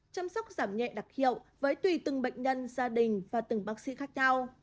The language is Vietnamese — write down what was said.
chăm sóc giảm nhẹ đặc hiệu với tùy từng bệnh nhân gia đình và từng bác sĩ khác nhau